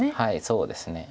そうですね。